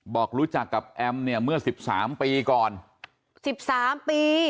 บอกรู้จักกับแอมเนี่ยเมื่อ๑๓ปีก่อน๑๓ปี